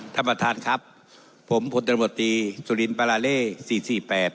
ท่านประธานครับผมพลตำรวจตีสุรินปราเล่สี่สี่แปด